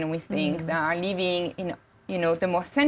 sangat sulit untuk mengetahui